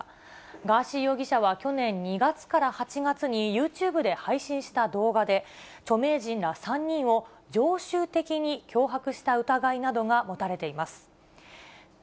ガーシー容疑者は、去年２月から８月にユーチューブで配信した動画で、著名人ら３人を常習的に脅迫した疑いなどが持たれています。